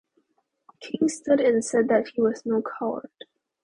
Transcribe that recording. King stood and said that he was no coward.